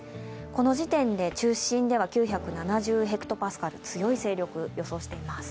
この時点で中心では９７０ｈＰａ、強い勢力を予想しています。